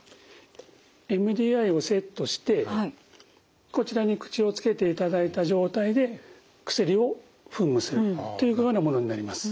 ＭＤＩをセットしてこちらに口をつけていただいた状態で薬を噴霧するというようなものになります。